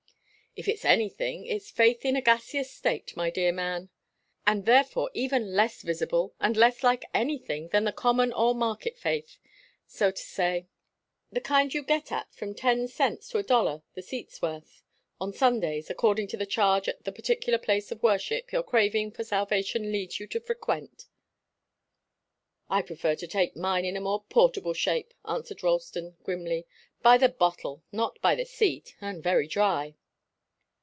"If it's anything, it's faith in a gaseous state, my dear man, and therefore even less visible and less like anything than the common or market faith, so to say the kind you get at from ten cents to a dollar the seat's worth, on Sundays, according to the charge at the particular place of worship your craving for salvation leads you to frequent." "I prefer to take mine in a more portable shape," answered Ralston, grimly. "By the bottle not by the seat and very dry."